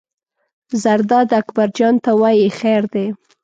زرداد اکبر جان ته وایي: خیر دی.